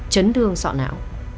chấn thương sọ não